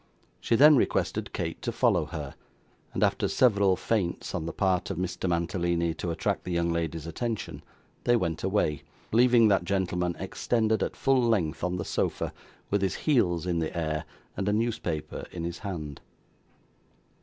She then requested Kate to follow her, and after several feints on the part of Mr. Mantalini to attract the young lady's attention, they went away: leaving that gentleman extended at full length on the sofa, with his heels in the air and a newspaper in his hand.